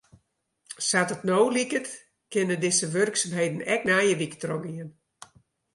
Sa't it no liket kinne dizze wurksumheden ek nije wike trochgean.